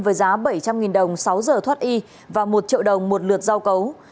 với giá bảy trăm linh đồng sáu giờ thoát y và một triệu đồng một lượt giao cấu